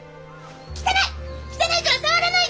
汚い！